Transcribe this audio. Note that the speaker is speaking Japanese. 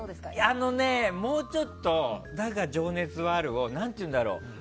あのね、もうちょっと「だが、情熱はある」を何ていうんだろう。